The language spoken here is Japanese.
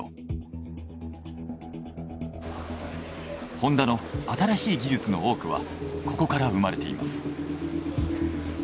ホンダの新しい技術の多くはここから生まれています。